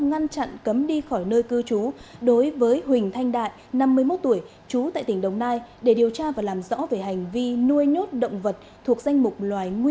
ngăn chặn các bản tin tiếp theo trên truyền hình công an nhân dân